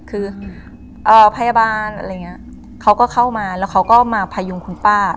คือพยาบาลเขาก็เข้ามาแล้วเขาก็มาพายุงคุณป้า